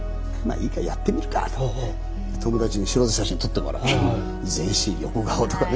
いいかやってみるかと友達に写真撮ってもらって全身横顔とかね